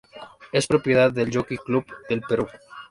Es propiedad del Jockey Club del Perú.